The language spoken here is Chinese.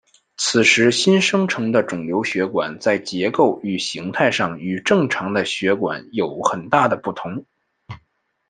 此时新生成的肿瘤血管在结构与形态上与正常的血管有很大的不同。